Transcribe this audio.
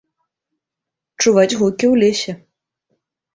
Чуваць гукі ў лесе.